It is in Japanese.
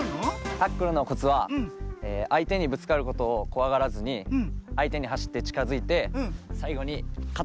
タックルのコツはあいてにぶつかることをこわがらずにあいてにはしってちかづいてさいごにかたで。